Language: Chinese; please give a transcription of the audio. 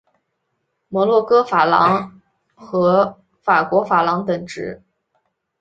摩纳哥法郎和法国法郎等值。